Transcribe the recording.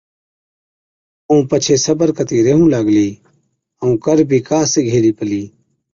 ائُون پڇي صبر ڪتِي ريهُون لاگلِي، ائُون ڪر بِي ڪا سِگھي هِلِي پلِي۔